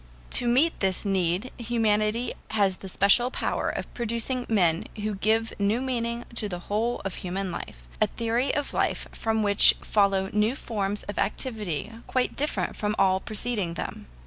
To meet this need humanity has the special power of producing men who give a new meaning to the whole of human life a theory of life from which follow new forms of activity quite different from all preceding them.